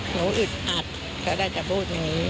หนูอึดอัดเขาได้จะพูดอย่างนี้